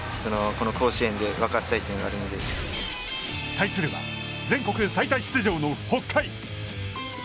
対するは、全国最多出場の北海。